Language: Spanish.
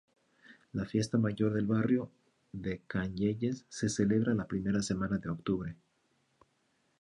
La Fiesta Mayor del barrio de Canyelles se celebra la primera semana de octubre.